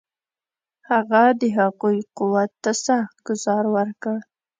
هغه د هغوی قوت ته سخت ګوزار ورکړ.